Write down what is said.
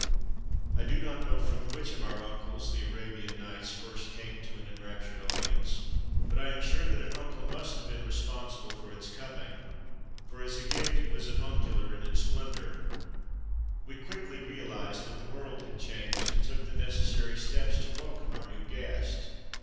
I do not know from which of our uncles " The Arabian Nights " first came to an enraptured audience ; but I am sure that an uncle must have been responsible for its coming, for as a gift it was avuncular in its splendour. We quickly realised that the world had changed, and took the necessary steps to welcome our new guest.